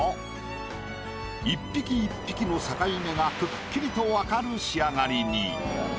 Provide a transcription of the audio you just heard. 一匹一匹の境目がくっきりと分かる仕上がりに。